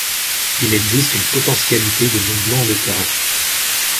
Il existe une potentialité de mouvements de terrains.